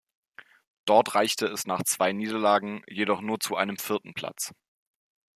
Dort reichte es nach zwei Niederlagen jedoch nur zu einem vierten Platz.